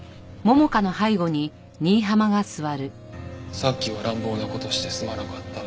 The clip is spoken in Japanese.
さっきは乱暴な事してすまなかった。